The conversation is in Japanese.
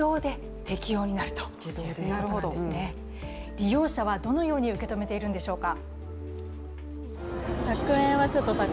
利用者はどのように受け止めているんでしょうか。